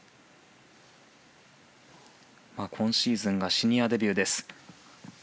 今シーズンがシニアデビューです。